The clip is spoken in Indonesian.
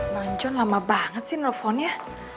mancon lama banget sih nelfonnya